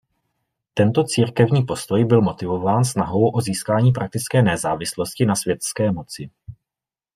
Tento církevní postoj byl motivován snahou o získání praktické nezávislosti na světské moci.